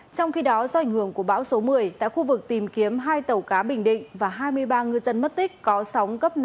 trong khi đó do ảnh hưởng của bão số một mươi tại khu vực tìm kiếm hai tàu cá bình định và hai mươi ba ngư dân mất tích có sóng cấp năm